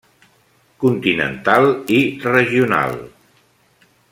Continental i Regional.